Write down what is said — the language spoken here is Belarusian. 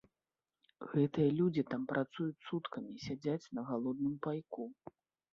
Гэтыя людзі там працуюць суткамі, сядзяць на галодным пайку.